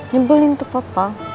nyebelin tuh papa